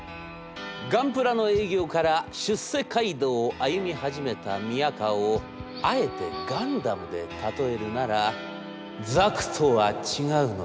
ガンプラの営業から出世街道を歩み始めた宮河をあえてガンダムで例えるなら」